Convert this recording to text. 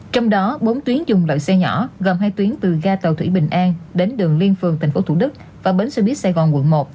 trong đó bốn tuyến dùng loại xe nhỏ gồm hai tuyến từ ga tàu thủy bình an đến đường liên phường tp thủ đức và bến xe buýt sài gòn quận một